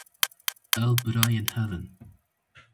Ew birayên hev in